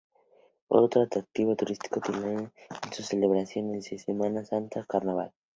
Otro atractivo turístico de Tilcara son sus celebraciones de Semana Santa y carnaval.